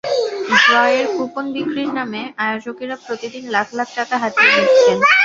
ড্রয়ের coupon বিক্রির নামে আয়োজকেরা প্রতিদিন লাখ লাখ টাকা হাতিয়ে নিচ্ছেন।